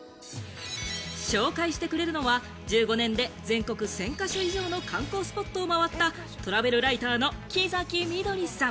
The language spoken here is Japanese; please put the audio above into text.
紹介してくれるのは１５年で全国１０００か所以上の観光スポットをまわったトラベルタイターの木崎ミドリさん。